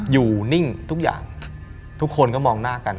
อยู่นิ่งทุกอย่างทุกคนก็มองหน้ากัน